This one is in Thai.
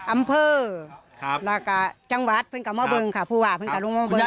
อำเภอแล้วก็จังหวัดเพื่อนกับเมาเบิงค่ะพูดว่าเพื่อนกับลูกเมาเบิงครับ